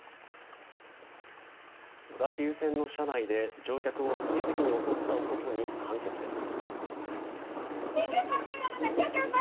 小田急線の車内で、乗客を次々に襲った男に判決です。